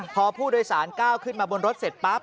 พอผู้โดยสารก้าวขึ้นมาบนรถเสร็จปั๊บ